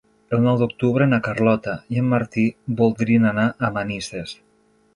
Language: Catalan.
El nou d'octubre na Carlota i en Martí voldrien anar a Manises.